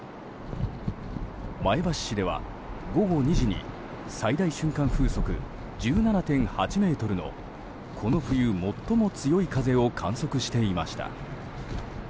前橋市では午後２時に最大瞬間風速１７．８メートルのこの冬最も強い風を観測していました。